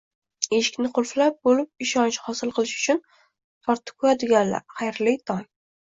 Eshikni qulflab bo'lib ishonch hosil qilish uchun tortib ko'radiganlar, xayrli tong!